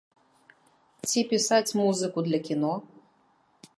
Ці пісаць музыку для кіно?